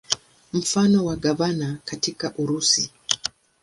Mfano ni gavana katika Urusi.